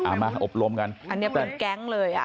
อันนี้เป็นแก๊งเลย